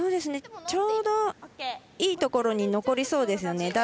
ちょうどいいところに残りそうですよね。